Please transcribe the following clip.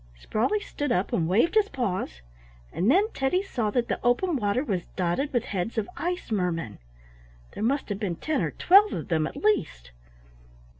Sprawley stood up and waved his paws, and then Teddy saw that the open water was dotted with heads of ice mermen; there must have been ten or twelve of them at least.